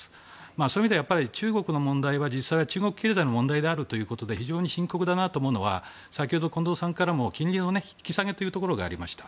そういう意味では中国の問題は実際は中国経済の問題であって非常に深刻だと思うのは先ほど、近藤さんからも金利の引き下げというのがありました。